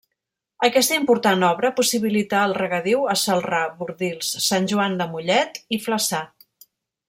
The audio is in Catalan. Aquesta important obra possibilità el regadiu a Celrà, Bordils, Sant Joan de Mollet i Flaçà.